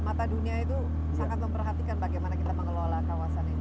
mata dunia itu sangat memperhatikan bagaimana kita mengelola kawasan ini